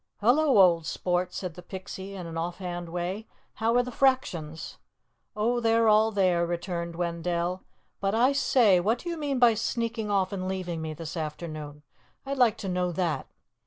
"Hello, old sport," said the Pixie in an offhand way. "How are the fractions?" "Oh, they're all there," returned Wendell, "but, I say, what do you mean by sneaking off and leaving me this afternoon? I'd like to know that."